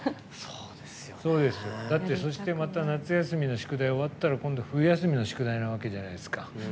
だってそしてまた夏休みの宿題が終わったら、今度、冬休みの宿題なわけじゃないですか。